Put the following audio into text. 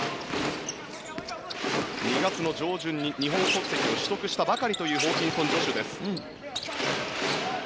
２月上旬に日本国籍を取得したばかりというホーキンソン・ジョシュです。